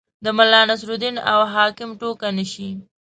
د ملا نصرالدین او حاکم ټوکه نه شي.